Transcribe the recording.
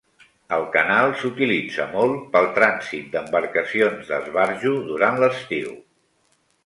El canal s'utilitza molt pel trànsit d'embarcacions d'esbarjo durant l'estiu.